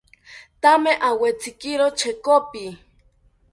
Thame awetzikiro chekopi